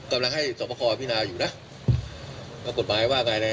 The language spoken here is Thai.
กำลังให้สมควรอภินาอยู่นะก็กฎหมายว่าไงนะ